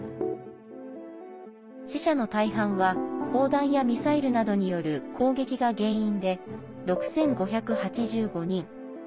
死者の大半は砲弾やミサイルなどによる攻撃が原因で６５８５人。